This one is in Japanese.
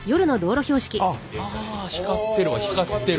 あっ光ってるわ光ってる。